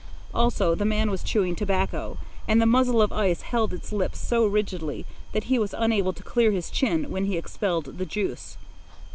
Also, the man was chewing tobacco, and the muzzle of ice held his lips so rigidly that he was unable to clear his chin when he expelled the juice.